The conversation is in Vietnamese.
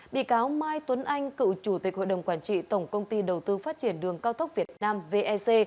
bị cáo mai tuấn anh cựu chủ tịch hội đồng quản trị tổng công ty đầu tư phát triển đường cao tốc việt nam vec